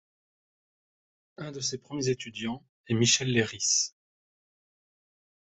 Un de ses premiers étudiants est Michel Leiris.